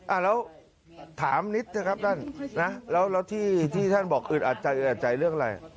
อ่ะแล้วถามนิดเถอะครับท่านนะแล้วที่ท่านบอกอึดอัดใจอึดใจเรื่องอะไร